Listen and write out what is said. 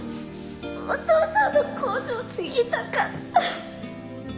お父さんの工場継ぎたかった！